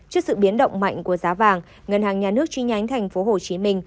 trước sự biến động mạnh của giá vàng ngân hàng nhà nước chi nhánh tp hcm